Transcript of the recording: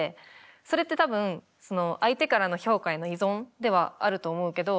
それって多分相手からの評価への依存ではあると思うけど。